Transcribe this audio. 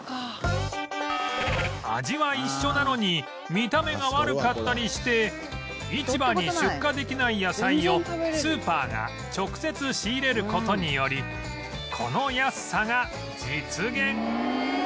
味は一緒なのに見た目が悪かったりして市場に出荷できない野菜をスーパーが直接仕入れる事によりこの安さが実現